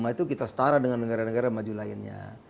dua ribu empat puluh lima itu kita setara dengan negara negara maju lainnya